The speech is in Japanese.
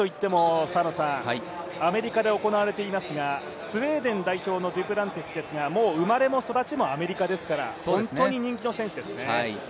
アメリカで行われていますがスウェーデン代表のデュプランティスですがもう生まれも育ちもアメリカですから本当に人気の選手ですね。